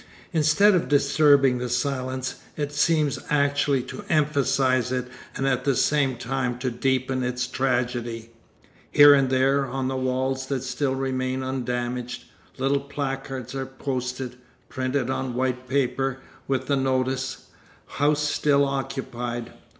Instead of disturbing the silence, it seems actually to emphasise it and at the same time to deepen its tragedy. Here and there, on walls that still remain undamaged, little placards are posted, printed on white paper, with the notice: "House still occupied."